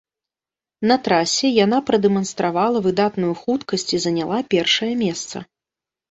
На трасе яна прадэманстравала выдатную хуткасць і заняла першае месца.